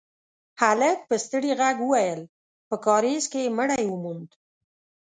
هلک په ستړي غږ وويل: په کارېز کې يې مړی وموند.